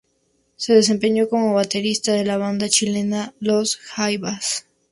Se desempeñó como baterista de la banda chilena Los Jaivas.